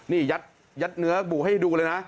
นี่ยัดเนื้อหมูให้ดูเลยนะ